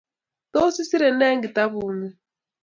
tos isere ne eng' kitabung'ung'